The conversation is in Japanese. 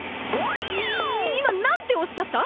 今何ておっしゃった？